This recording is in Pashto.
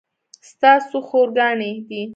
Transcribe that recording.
ستا څو خور ګانې دي